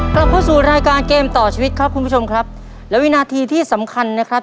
กลับเข้าสู่รายการเกมต่อชีวิตครับคุณผู้ชมครับและวินาทีที่สำคัญนะครับ